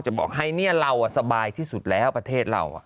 บอกให้เนี่ยเราสบายที่สุดแล้วประเทศเรา